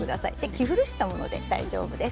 着古したもので大丈夫です。